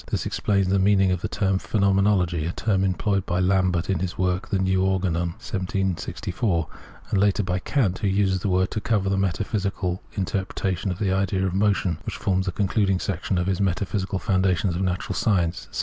This explains the meaning of the term " phenomenology "— a term employed by Lambert in his work, The New Organon (1764), and later by Kant, who uses the word to cover the metaphysical interpretation of the idea of motion, which forms the concluding section of his Metaphysical Foundations of Natural Science (1786).